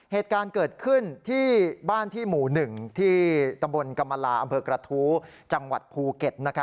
เหตุการณ์เกิดขึ้นที่บ้านที่หมู่๑ที่ตำบลกรรมลาอำเภอกระทู้จังหวัดภูเก็ต